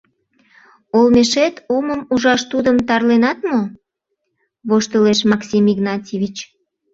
— Олмешет омым ужаш тудым тарленат мо? — воштылеш Максим Игнатьевич.